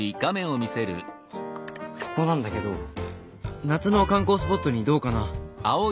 ここなんだけど夏の観光スポットにどうかな？